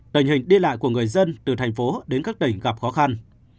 tình hình đi lại của người dân từ thành phố đến các tỉnh gặp khó khăn